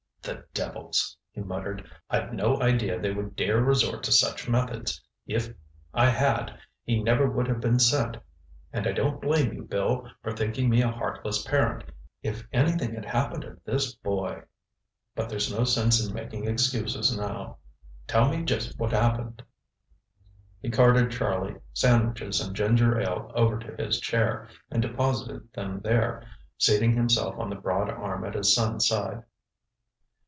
"The devils!" he muttered. "I'd no idea they would dare resort to such methods! If I had, he never would have been sent. And I don't blame you, Bill, for thinking me a heartless parent. If anything had happened to this boy——But there's no sense in making excuses now. Tell me just what happened." He carted Charlie, sandwiches and ginger ale over to his chair and deposited them there, seating himself on the broad arm at his son's side.